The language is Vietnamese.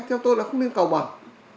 theo tôi là không nên cào bằng